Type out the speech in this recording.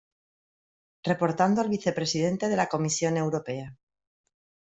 Reportando al vicepresidente de la Comisión Europea.